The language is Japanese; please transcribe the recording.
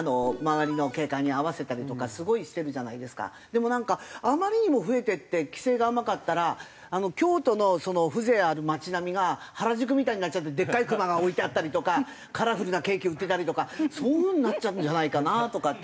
でもあまりにも増えてって規制が甘かったら京都の風情ある町並みが原宿みたいになっちゃってでかいクマが置いてあったりとかカラフルなケーキ売ってたりとかそういう風になっちゃうんじゃないかなとかっていう。